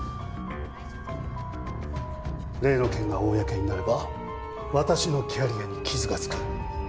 例の件が公になれば私のキャリアに傷がつく。